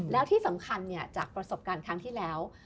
แล้วที่สำคัญจากประสบการณ์ครั้งที่แล้ว